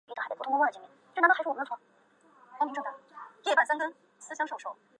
旅游文学指内容与旅游相关的创作。